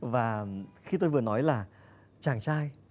và khi tôi vừa nói là chàng trai